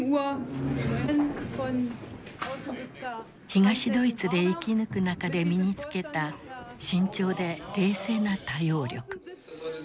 東ドイツで生き抜く中で身に付けた慎重で冷静な対応力。